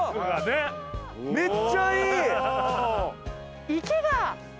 めっちゃいい！